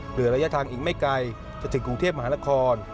เหลือระยะทางอีกไม่ไกลจะถึงกรุงเทพมหานคร